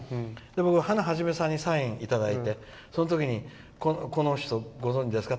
僕、ハナ肇さんにサインをいただいてその時に、この人ご存じですか？